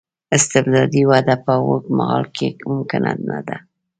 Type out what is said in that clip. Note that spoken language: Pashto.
استبدادي وده په اوږد مهال کې ممکنه نه ده.